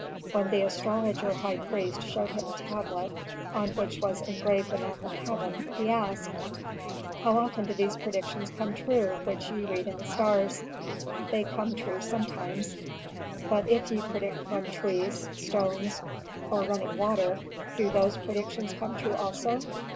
When the astrologer high priest showed him a tablet on which was engraved a map of heaven, he asked, "How often do these predictions come true which ye read in the stars?" "They come true sometimes." "But if ye predict from trees, stones, or running water, do those predictions come true also?"